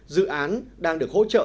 dự án đang được hỗ trợ